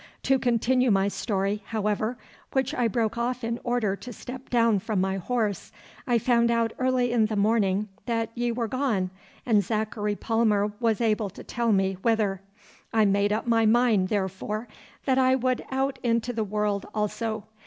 To continue my story, however, which I broke off in order to step down from my horse, I found out early in the morning that ye were gone, and Zachary Palmer was able to tell me whither. I made up my mind, therefore, that I would out into the world also.